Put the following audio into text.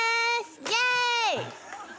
イエイ！